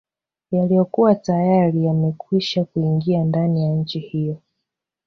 Yaliyokuwa tayari yamekwisha kuingia ndani ya nchi hiyo